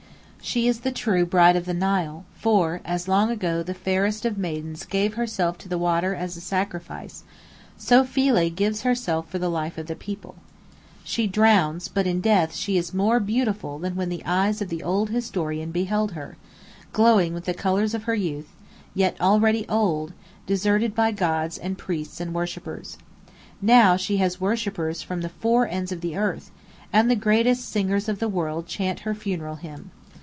She is the true Bride of the Nile; for, as long ago the fairest of maidens gave herself to the water as a sacrifice, so Philae gives herself for the life of the people. She drowns, but in death she is more beautiful than when the eyes of the old historian beheld her, glowing with the colours of her youth, yet already old, deserted by gods and priests and worshippers. Now she has worshippers from the four ends of the earth, and the greatest singers of the world chant her funeral hymn.